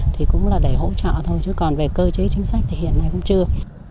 thì cũng là để hỗ trợ thôi chứ còn về cơ chế chính sách thì hiện nay cũng chưa